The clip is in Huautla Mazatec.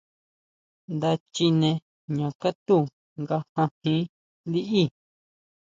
Nda chine jña katú nga jajín liʼí.